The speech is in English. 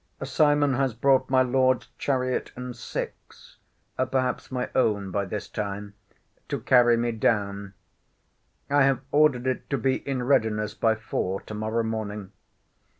Simon has brought my Lord's chariot and six [perhaps my own by this time,] to carry me down. I have ordered it to be in readiness by four to morrow morning.